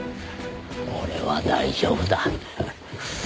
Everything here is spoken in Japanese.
俺は大丈夫だ。